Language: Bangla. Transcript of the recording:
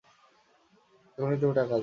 এখন তুমি টাকা দেবে।